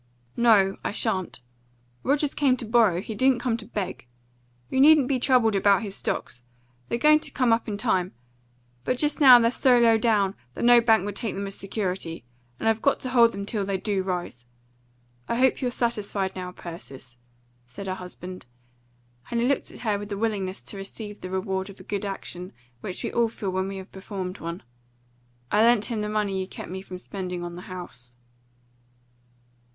"No, I shan't. Rogers came to borrow. He didn't come to beg. You needn't be troubled about his stocks. They're going to come up in time; but just now they're so low down that no bank would take them as security, and I've got to hold them till they do rise. I hope you're satisfied now, Persis," said her husband; and he looked at her with the willingness to receive the reward of a good action which we all feel when we have performed one. "I lent him the money you kept me from spending on the house."